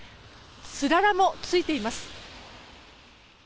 つららもついています。